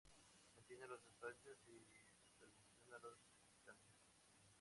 Mantienen los espacios y supervisan a los visitantes.